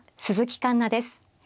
鈴木環那です。